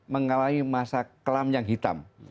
mengalami masa kelam yang hitam